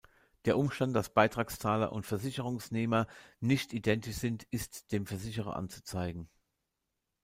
Der Umstand, dass Beitragszahler und Versicherungsnehmer nicht identisch sind, ist dem Versicherer anzuzeigen.